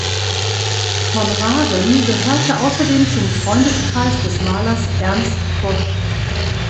Von Raven gehörte außerdem zum Freundeskreis des Malers Ernst Bosch.